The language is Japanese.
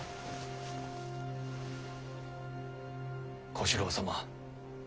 小四郎様。